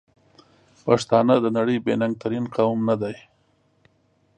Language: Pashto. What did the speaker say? پښتانه د نړۍ بې ننګ ترین قوم ندی؟!